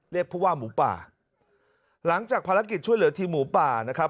ผู้ว่าหมูป่าหลังจากภารกิจช่วยเหลือทีมหมูป่านะครับ